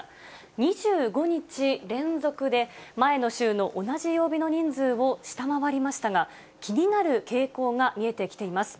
２５日連続で前の週の同じ曜日の人数を下回りましたが、気になる傾向が見えてきています。